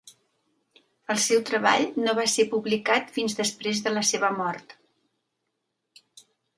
El seu treball no va ser publicat fins després de la seva mort.